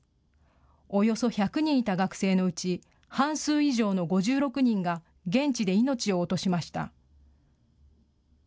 およそ１００人いた学生のうち半数以上の５６人が現地で命を落としました。